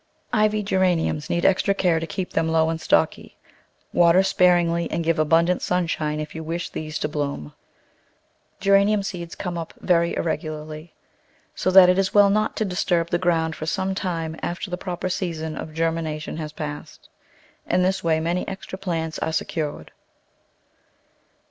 Ivy Geraniums need extra care to keep them low and stocky. Water sparingly and give abundant sunshine if you wish these to bloom. Geranium seeds come up very irregularly, so that it is well not to disturb the ground for some time after the proper season of germination has passed. In this way many extra plants are secured.